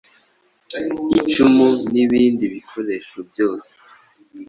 icumu n’ibindi bikoresho byose